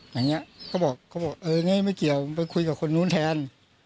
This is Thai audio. อย่างนี้เขาบอกเขาบอกเออไงไม่เกี่ยวไปคุยกับคนนู้นแทน